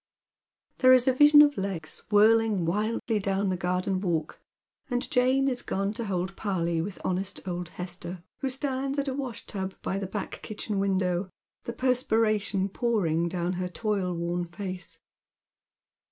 There is a vision of legs whirling wildly down the garden walk, and Jane is gone to hold parley with honest old Hester, who stands at a wash tub by the back kitchen wandow, the per spiration pouring down her toilworn face.